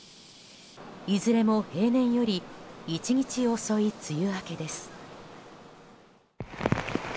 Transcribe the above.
いずれも平年より１日遅い梅雨明けです。